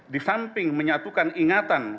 disamping menyatukan ingatan